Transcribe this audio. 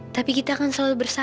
tapi kita akan selalu bersatu